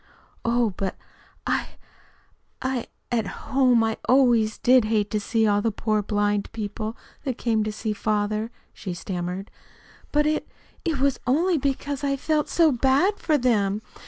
"Oh, but I I At home I always did hate to see all the poor blind people that came to see father," she stammered. "But it it was only because I felt so bad for them.